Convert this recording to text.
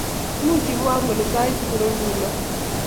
Much imwowo kole sait ngiro nguno?